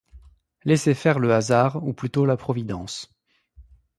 Laissez faire le hasard, ou plutôt la Providence.